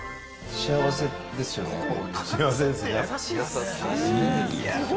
幸せです、今。